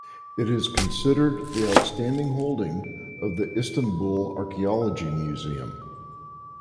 It is considered the outstanding holding of the Istanbul Archaeology Museum.